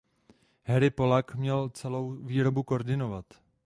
Harry Pollak měl celou výrobu koordinovat.